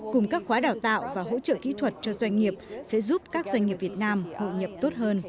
cùng các khóa đào tạo và hỗ trợ kỹ thuật cho doanh nghiệp sẽ giúp các doanh nghiệp việt nam hội nhập tốt hơn